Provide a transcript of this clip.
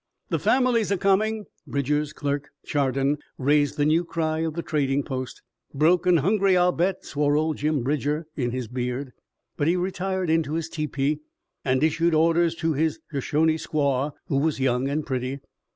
"The families are coming!" Bridger's clerk, Chardon, raised the new cry of the trading post. "Broke an' hungry, I'll bet!" swore old Jim Bridger in his beard. But he retired into his tepee and issued orders to his Shoshone squaw, who was young and pretty.